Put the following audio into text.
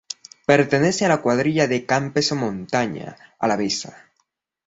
Pertenece a la Cuadrilla de Campezo-Montaña Alavesa.